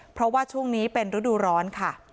เพราะว่าช่วงนี้เป็นฤดูร้อนค่ะ